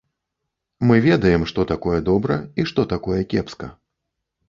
Мы ведаем, што такое добра і што такое кепска.